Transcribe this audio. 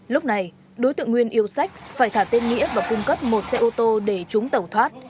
lúc này đối tượng nguyên yêu sách phải thả tên nghĩa và cung cấp một xe ô tô để chúng tẩu thoát